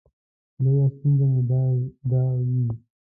لویه ستونزه مې دا وي.